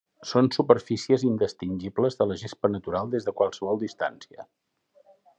Són superfícies indistingibles de la gespa natural des de qualsevol distància.